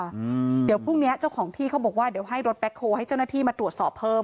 อืมเดี๋ยวพรุ่งเนี้ยเจ้าของที่เขาบอกว่าเดี๋ยวให้รถแบ็คโฮลให้เจ้าหน้าที่มาตรวจสอบเพิ่ม